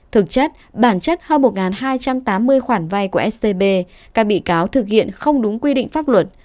thực chất bản chất hơn một hai trăm tám mươi khoản vay của scb các bị cáo thực hiện không đúng quy định pháp luật